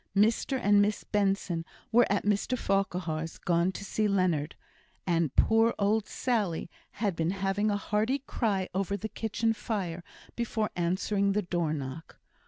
Mr and Miss Benson were at Mr Farquhar's, gone to see Leonard, and poor old Sally had been having a hearty cry over the kitchen fire before answering the door knock.